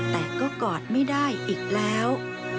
แต่ก็กอดไม่ได้อีกแล้ว